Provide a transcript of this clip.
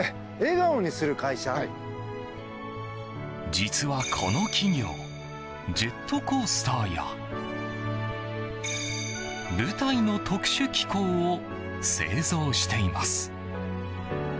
実はこの企業ジェットコースターや舞台の特殊機構を製造しています。